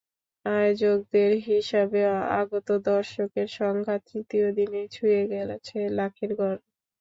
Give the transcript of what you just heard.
আয়োজকদের হিসাবে আগত দর্শকের সংখ্যা তৃতীয় দিনেই ছুঁয়ে গেছে লাখের ঘর।